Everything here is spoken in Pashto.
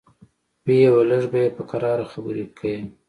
ويې ويل لږ به په کراره خبرې کيې.